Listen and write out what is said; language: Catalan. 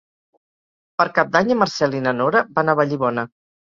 Per Cap d'Any en Marcel i na Nora van a Vallibona.